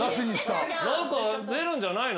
何か出るんじゃないの？